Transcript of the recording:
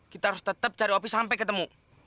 kita harus tetap cari opi sampai ketemu